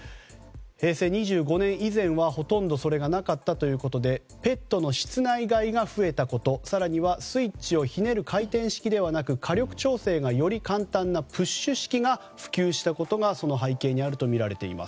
平成２５年以前は、ほとんどそれがなかったということでペットの室内飼いが増えたこと更にはスイッチをひねる回転式ではなく火力調整がより簡単なプッシュ式が普及したことが背景にあるとみられています。